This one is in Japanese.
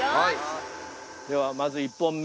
ではまず１本目。